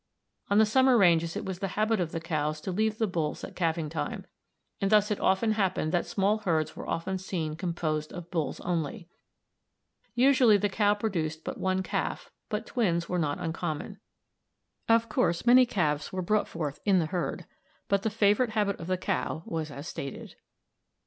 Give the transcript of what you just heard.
On the summer ranges it was the habit of the cows to leave the bulls at calving time, and thus it often happened that small herds were often seen composed of bulls only. Usually the cow produced but one calf, but twins were not uncommon. Of course many calves were brought forth in the herd, but the favorite habit of the cow was as stated.